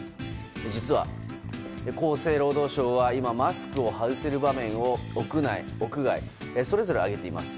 実は厚生労働省は今マスクを外せる場面を屋内・屋外それぞれ挙げています。